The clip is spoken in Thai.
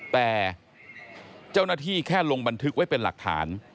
แต่เจ้าหน้าที่แค่ลงบันทึกไว้เป็นหลักฐาน